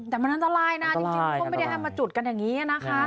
แต่มันอันตรายนะจริงก็ไม่ได้ให้มาจุดกันอย่างนี้นะคะ